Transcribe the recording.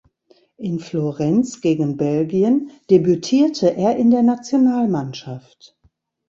In Florenz gegen Belgien debütierte er in der Nationalmannschaft.